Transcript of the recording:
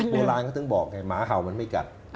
โบราณเขาถึงบอกไงหมาเห่ามันไม่กัด